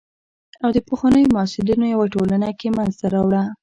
او د پخوانیو محصلینو یوه ټولنه یې منځته راوړه.